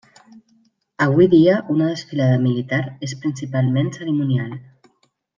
Avui dia una desfilada militar és principalment cerimonial.